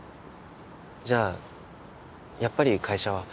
じゃあやっぱり会社は。